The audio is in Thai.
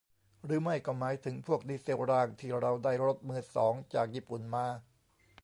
หรือไม่ก็หมายถึงพวกดีเซลรางที่เราได้รถมือสองจากญี่ปุ่นมา ?